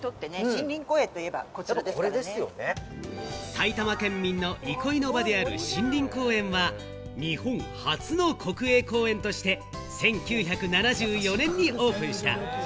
埼玉県民の憩いの場である森林公園は、日本初の国営公園として１９７４年にオープンした。